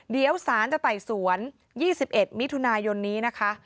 เดี๋ยวสารจะไต่สวน๒๑มิถุนายนนี้นะคะ